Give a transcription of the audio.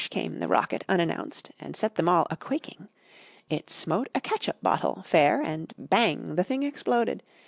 came the rocket, unannounced, And set them all a quaking! It smote a catsup bottle, fair, And bang! the thing exploded!